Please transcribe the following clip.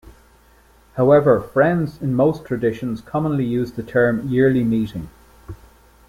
However, Friends in most traditions commonly use the term Yearly Meeting.